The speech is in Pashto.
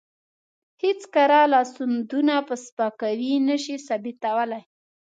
هېڅ کره لاسوندونه په سپکاوي نشي ثابتولی.